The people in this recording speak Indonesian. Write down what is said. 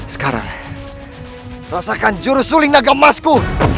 sekarang rasakan jurusuling naga emasku